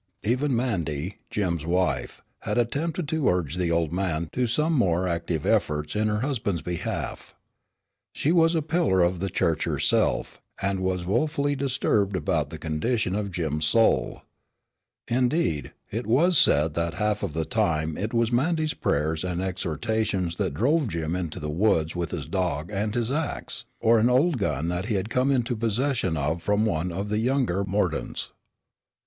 Even Mandy, Jim's wife, had attempted to urge the old man to some more active efforts in her husband's behalf. She was a pillar of the church herself, and was woefully disturbed about the condition of Jim's soul. Indeed, it was said that half of the time it was Mandy's prayers and exhortations that drove Jim into the woods with his dog and his axe, or an old gun that he had come into possession of from one of the younger Mordaunts.